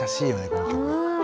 この曲。